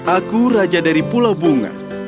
aku raja dari pulau bunga